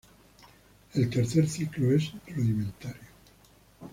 El tercer ciclo es rudimentario.